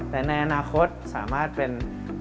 แต่ในอนาคตสามารถเป็น